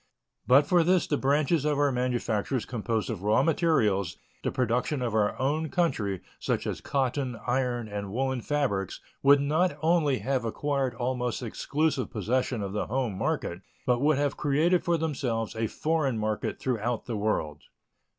But for this the branches of our manufactures composed of raw materials, the production of our own country such as cotton, iron, and woolen fabrics would not only have acquired almost exclusive possession of the home market, but would have created for themselves a foreign market throughout the world.